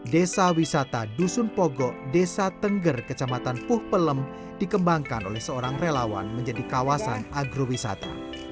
desa wisata dusun pogo desa tengger kecamatan puh pelem dikembangkan oleh seorang relawan menjadi kawasan agrowisata